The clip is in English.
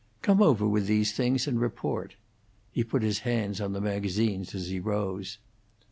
Come over with these things and report." He put his hand on the magazines as he rose.